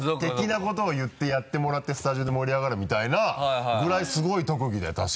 的なことを言ってやってもらってスタジオで盛り上がるみたいなぐらいすごい特技だよ